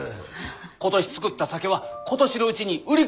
今年造った酒は今年のうちに売り切ったらえい。